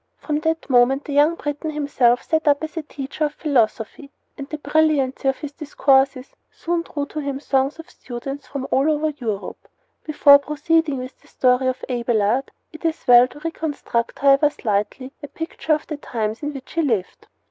From that moment the young Breton himself set up as a teacher of philosophy, and the brilliancy of his discourses soon drew to him throngs of students from all over Europe. Before proceeding with the story of Abelard it is well to reconstruct, however slightly, a picture of the times in which he lived.